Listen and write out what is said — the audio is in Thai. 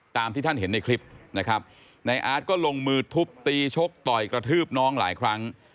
ตามที่ท่านเห็นในคลิปนะครับในอาร์ตก็ลงมือทุบตีชกต่อยกระทืบน้องหลายครั้ง